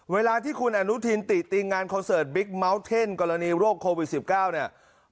เวลาที่คุณอนุทินติติงงานคอนเสิร์ตบิ๊กเมาส์เท่นกรณีโรคโควิด๑๙เนี่ย